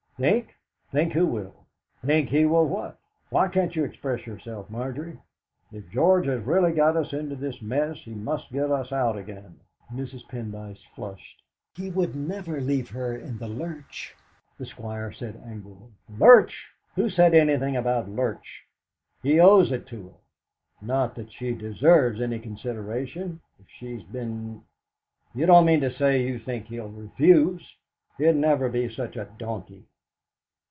"Think think who will? Think he will what? Why can't you express yourself, Margery? If George has really got us into this mess he must get us out again." Mrs. Pendyce flushed. "He would never leave her in the lurch!" The Squire said angrily: "Lurch! Who said anything about lurch? He owes it to her. Not that she deserves any consideration, if she's been You don't mean to say you think he'll refuse? He'd never be such a donkey?"